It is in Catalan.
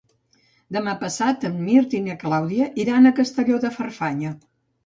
Demà passat en Mirt i na Clàudia iran a Castelló de Farfanya.